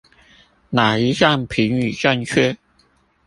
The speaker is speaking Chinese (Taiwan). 哪一項評語正確？